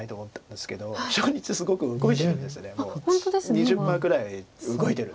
２０％ぐらい動いてる。